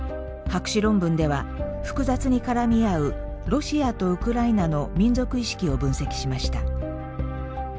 博士論文では複雑に絡み合うロシアとウクライナの民族意識を分析しました。